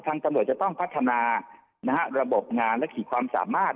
ตำรวจจะต้องพัฒนาระบบงานและขีดความสามารถ